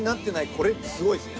これすごいっすね